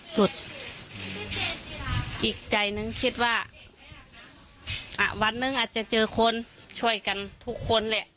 สุดอีกใจนึงคิดว่าวันหนึ่งอาจจะเจอคนช่วยกันทุกคนแหละ